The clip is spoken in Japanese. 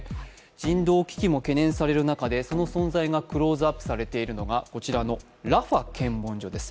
人道危機も懸念される中でその存在がクローズアップされているのがこちらのラファ検問所です。